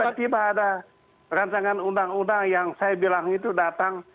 tiba tiba ada rancangan undang undang yang saya bilang itu datang